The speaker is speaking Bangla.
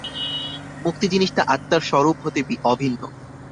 মুক্তি জিনিষটা আত্মার স্বরূপ হতে অভিন্ন।